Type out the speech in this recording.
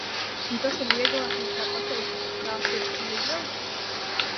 Un tas ir vieglāk nekā pateikt, kā turp aizbraukt?